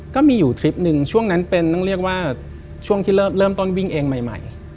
ก็มีอยู่ทริปหนึ่งช่วงนั้นเป็นต้องเรียกว่าช่วงที่เริ่มต้นวิ่งเองใหม่